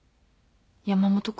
山本君？